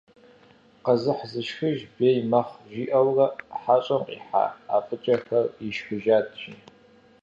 «Къэзыхь зышхыж бей мэхъу» жиӏэурэ, хьэщӏэм къихьа ӏэфӏыкӏэхэр ишхыжат, жи.